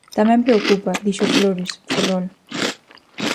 Tamén preocupa, dixo Flores, Ferrol.